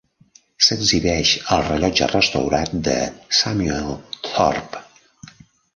S'exhibeix el rellotge restaurat de Samuel Thorp.